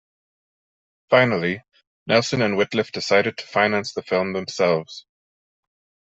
Finally, Nelson and Wittliff decided to finance the film themselves.